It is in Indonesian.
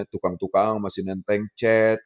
tukang tukang masih nenteng chat